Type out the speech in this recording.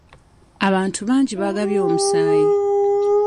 Abantu bangi baagabye omusaayi.